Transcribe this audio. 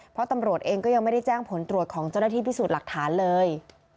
เพราะตำรวจเองก็ยังไม่ได้แจ้งผลตรวจของเจ้าหน้าที่พิสูจน์หลักฐานเลย